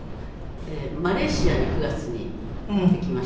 マレーシアに９月に行ってきました。